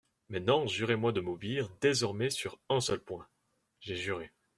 Maintenant, jurez-moi de m'obéir désormais sur un seul point.» J'ai juré.